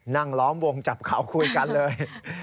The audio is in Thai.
นั่งล้อมวงจับข่าวคุยกันเลย